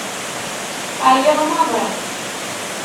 Ԑyiɣ maḍi.